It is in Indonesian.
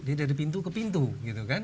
jadi dari pintu ke pintu gitu kan